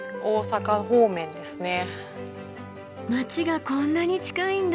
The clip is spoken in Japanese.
街がこんなに近いんだ！